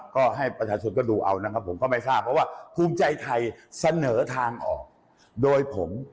ก็ให้ประชาชนก็ดูเอานะครับผมก็ไม่ทราบเพราะว่าภูมิใจไทยเสนอทางออกโดยผม